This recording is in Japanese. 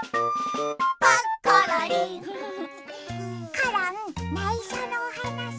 コロンないしょのおはなし。